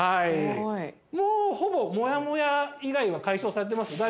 もうほぼ、もやもや以外は解消されてます？